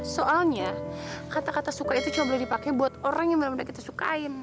soalnya kata kata suka itu cuma boleh dipake buat orang yang bener bener kita sukain